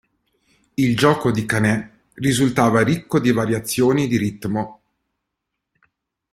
Il gioco di Canè risultava ricco di variazioni di ritmo.